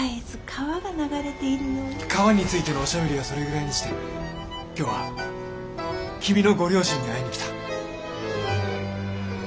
川についてのおしゃべりはそれぐらいにして今日は君のご両親に会いに来た。